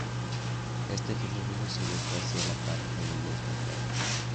Este fenómeno se dio casi a la par con el del cacao.